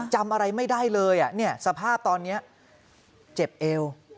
จำอะไรไม่ได้เลยสภาพตอนนี้เจ็บเอว